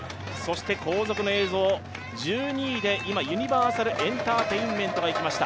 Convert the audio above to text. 後続の映像ですが、１２位で今、ユニバーサルエンターテインメントが行きました。